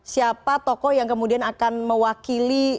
siapa tokoh yang kemudian akan mewakili